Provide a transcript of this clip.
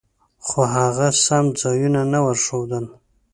خو هغه سم ځایونه نه ورښودل.